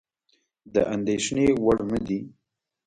د اندېښنې وړ نه دي.